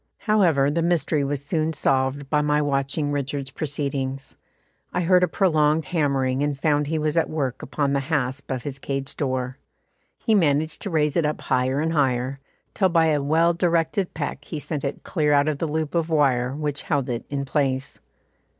However, the mystery was soon solved by my watching Richard's proceedings. I heard a prolonged hammering and found he was at work upon the hasp of his cage door. He managed to raise it up higher and higher, till by a well directed peck he sent it clear out of the loop of wire which held it in its place.